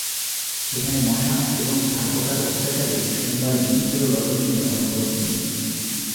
সেখানে মশা এবং ছারপোকার অত্যাচারে সোমবার বিনিদ্র রজনী যাপন করেন তিনি।